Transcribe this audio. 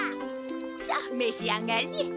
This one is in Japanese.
さあめし上がれ。